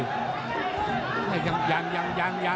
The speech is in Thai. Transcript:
โห้โหโหโห้ตีได้มั้ยตีได้